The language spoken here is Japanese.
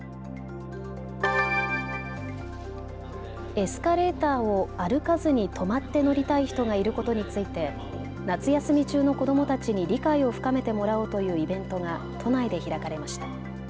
エスカレーターを歩かずに止まって乗りたい人がいることについて、夏休み中の子どもたちに理解を深めてもらおうというイベントが都内で開かれました。